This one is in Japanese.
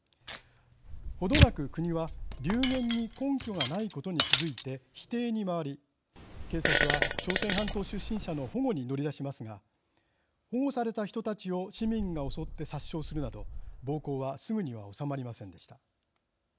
程なく国は流言に根拠がないことに気付いて否定に回り警察は朝鮮半島出身者の保護に乗り出しますが保護された人たちを市民が襲って殺傷するなど暴行はすぐには収まりませんでした。